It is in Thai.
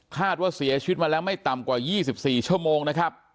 คาดว่าเสียชีวิตมาแล้วไม่ต่ำกว่า๒๔ชั่วโมงนะครับ